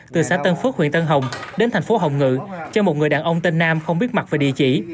từ xã tân phước huyện tân hồng đến tp hồng ngựa cho một người đàn ông tên nam không biết mặt về địa chỉ